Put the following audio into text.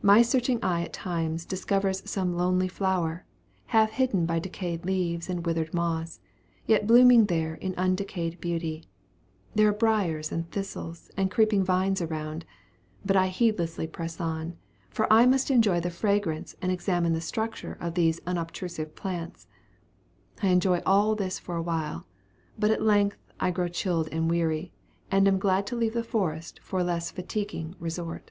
My searching eye at times discovers some lonely flower, half hidden by decayed leaves and withered moss, yet blooming there in undecaying beauty. There are briers and thistles and creeping vines around, but I heedlessly press on, for I must enjoy the fragrance and examine the structure of these unobtrusive plants. I enjoy all this for a while, but at length I grow chilled and weary, and am glad to leave the forest for a less fatiguing resort.